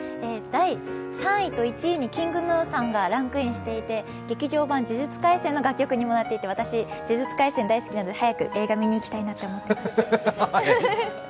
第３位と１位にＫｉｎｇＧｎｕさんがランクインしていて「劇場版呪術廻戦」の楽曲にもなっていて、私、「呪術廻戦」が大好きなので早く映画見に行きたいなと思ってます。